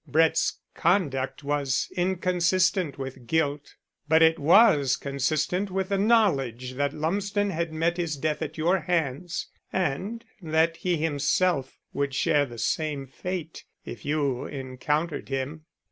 Brett's conduct was inconsistent with guilt. But it was consistent with the knowledge that Lumsden had met his death at your hands and that he himself would share the same fate if you encountered him.